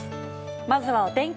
まずはお天気